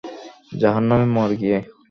জাহান্নামে মর গিয়ে।